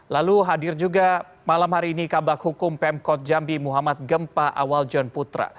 lalu hadir juga malam hari ini kabak hukum pemkot jambi muhammad gempa awaljon putra